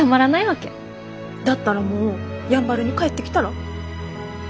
だったらもうやんばるに帰ってきたら？